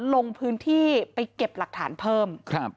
ลงพื้นที่ไปเก็บหลักฐานเพิ่ม